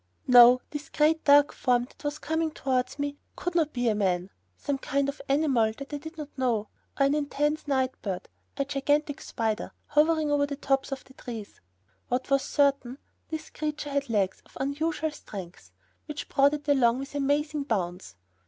No, this great, dark form that was coming towards me could not be a man some kind of animal that I did not know, or an immense night bird, a gigantic spider, hovering over the tops of the trees. What was certain, this creature had legs of unusual length, which brought it along with amazing bounds.